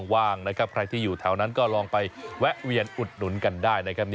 ว่างนะครับใครที่อยู่แถวนั้นก็ลองไปแวะเวียนอุดหนุนกันได้นะครับ